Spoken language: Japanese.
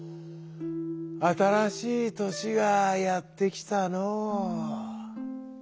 あたらしいとしがやってきたのう」。